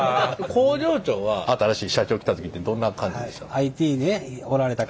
工場長は新しい社長来た時ってどんな感じでした？